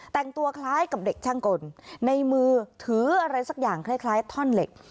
แต่งตัวคล้ายกับเด็กช่างกลในมือถืออะไรสักอย่างคล้ายท่อนเหล็ก